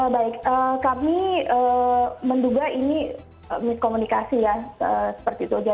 baik kami menduga ini miskomunikasi ya seperti itu aja